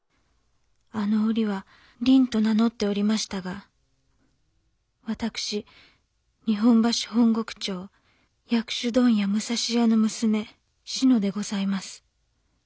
あの折は倫と名乗っておりましたが私日本橋本石町薬種問屋武蔵屋の娘しのでございます。